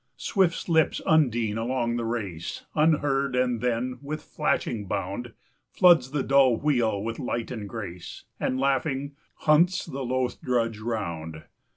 20 Swift slips Undine along the race Unheard, and then, with flashing bound, Floods the dull wheel with light and grace, And, laughing, hunts the loath drudge round.